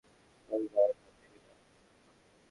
ওর গায়ে হাত দিবি না!